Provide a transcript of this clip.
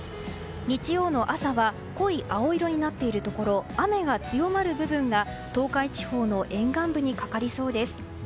日曜の朝は濃い青色になっているところ雨が強まる部分が、東海地方の沿岸部にかかりそうです。